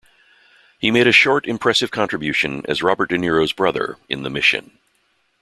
He made a short impressive contribution as Robert De Niro's brother in "The Mission".